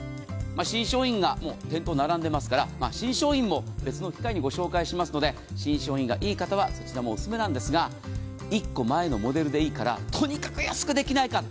新商品が店頭に並んでますから新商品も別の機会にご紹介しますので新商品がいい方はそちらもおすすめなんですが１個前のモデルでいいからとにかく安くできないか。